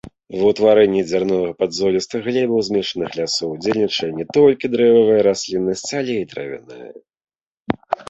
Ва ўтварэнні дзярнова-падзолістых глебаў змешаных лясоў удзельнічае не толькі дрэвавая расліннасць, але і травяная.